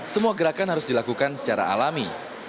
semua gerakan harus dilakukan secara alami